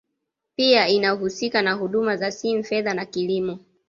Pia inahusika na huduma za simu fedha na kilimo